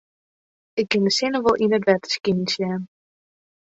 Ik kin de sinne wol yn it wetter skinen sjen.